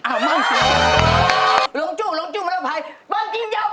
อ้าวมั่งสีสูกูกูไกร